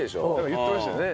言ってましたね。